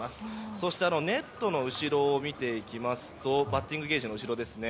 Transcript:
そしてネットの後ろを見ていきますとバッティングゲージの後ろですね